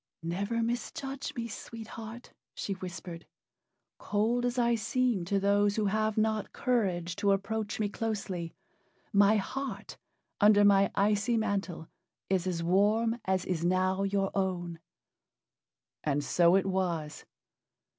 "Never misjudge me, Sweet Heart," she whispered. "Cold as I seem to those who have not courage to approach me closely, my heart, under my icy mantle, is as warm as is now your own." And so it was.